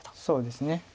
そうですね。